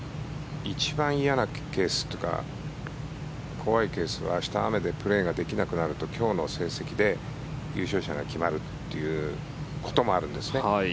一番嫌なケースというか怖いケースは明日、雨でプレーができなくなると今日の成績で優勝者が決まることもあるんですね。